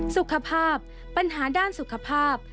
สุขภาพปัญหาด้านสุขภาพ